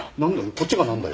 こっちがなんだよ。